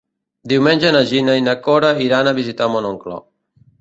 Diumenge na Gina i na Cora iran a visitar mon oncle.